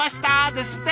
ですって。